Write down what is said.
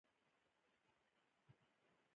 هیواد مې د ثبات ارمان لري